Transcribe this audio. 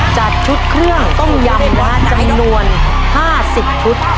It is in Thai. จัดชุดเครื่องต้มยำจำนวน๕๐ชุด